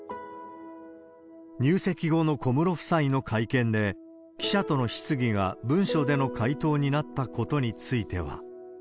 入籍後の小室夫妻の会見で、記者との質疑が文書での回答になったことについては。